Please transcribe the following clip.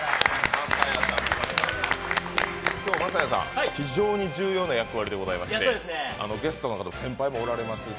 今日、晶哉さん、非常に重要な役割でゲストの方、先輩もおられますし。